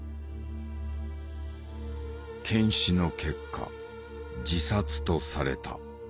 検視の結果自殺とされた。